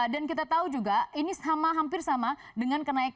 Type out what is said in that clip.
dan kita tahu juga ini hampir sama dengan kenaikan tarif tol